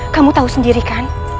kamu tahu sendiri kan